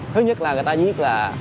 thứ nhất là người ta viết là